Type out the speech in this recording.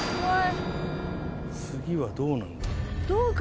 次はどうなるんだ。